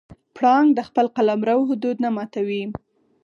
پړانګ د خپل قلمرو حدود نه ماتوي.